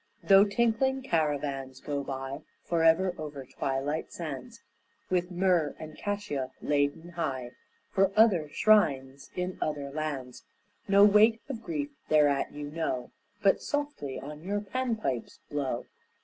Though tinkling caravans go by Forever over twilight sands, With myrrh and cassia laden high For other shrines in other lands, No weight of grief thereat you know, But softly on your pan pipes blow.